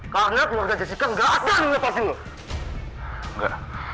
karena keluarga jessica gak akan lepasin lo